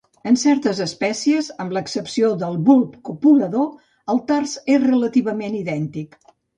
En certes espècies, amb l'excepció del bulb copulador, el tars és relativament idèntic.